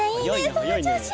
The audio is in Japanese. そのちょうし！